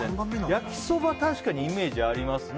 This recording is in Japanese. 焼きそば、確かにイメージありますね。